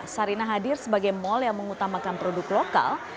sarina hadir sebagai mal yang mengutamakan produk lokal